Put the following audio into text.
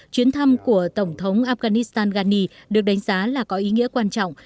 chuyến thăm của tổng thống afghanistan ghani được đánh giá là có ý nghĩa quan trọng